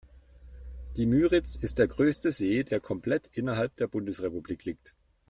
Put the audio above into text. Die Müritz ist der größte See, der komplett innerhalb der Bundesrepublik liegt.